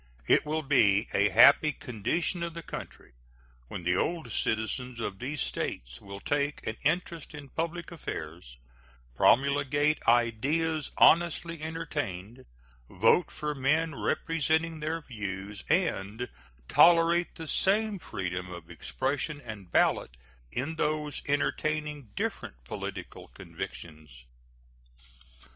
It will be a happy condition of the country when the old citizens of these States will take an interest in public affairs, promulgate ideas honestly entertained, vote for men representing their views, and tolerate the same freedom of expression and ballot in those entertaining different political convictions.